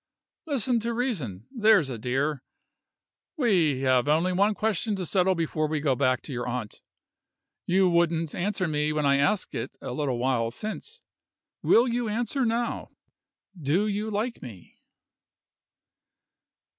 Listen to reason, there's a dear! We have only one question to settle before we go back to your aunt. You wouldn't answer me when I asked it a little while since. Will you answer now? Do you like me?"